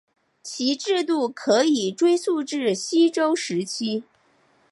其制度可以追溯至西周时期。